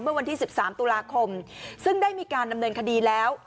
เมื่อวันที่๑๓ตุลาคมซึ่งได้มีการดำเนินคดีแล้ว